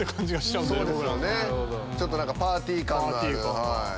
ちょっと何かパーティー感のある。